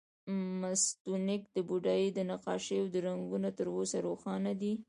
د مستونګ د بودايي نقاشیو رنګونه تر اوسه روښانه دي